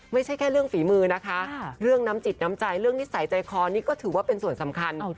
ไม่ใช่แค่เรื่องฝีมือนะคะเรื่องน้ำจิตน้ำใจเรื่องนิสัยใจคอนี่ก็ถือว่าเป็นส่วนสำคัญ